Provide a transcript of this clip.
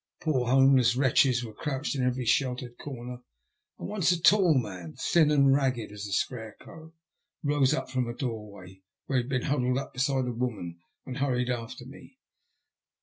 Poor homeless wretches were crouched in every sheltered comer, and once a tall man, thin and ragged as a scare crow, rose from a doorway, where he had been huddled up beside a woman, and hurried after me.